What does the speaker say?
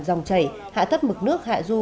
dòng chảy hạ thất mực nước hạ du